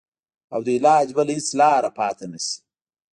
او د علاج بله هېڅ لاره پاته نه شي.